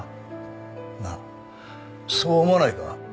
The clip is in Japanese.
なあそう思わないか？